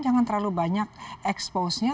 jangan terlalu banyak expose nya